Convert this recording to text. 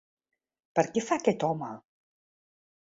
Per què fa, aquest home?